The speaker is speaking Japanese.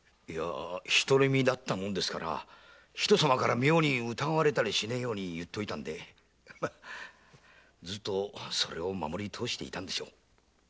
独り身でしたから人様から妙に疑われたりしないように言っといたんでずっとそれを守りとおしていたんでしょう。